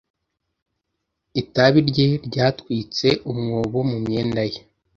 Itabi rye ryatwitse umwobo mu myenda ye.